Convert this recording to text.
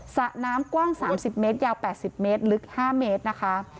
สระน้ำกว้าง๓๐เมตรยาว๘๐เมตรลึก๕เมตรนะคะ